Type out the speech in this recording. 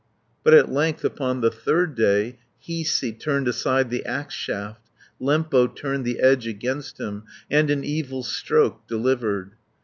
150 But at length, upon the third day, Hiisi turned aside the axe shaft, Lempo turned the edge against him, And an evil stroke delivered.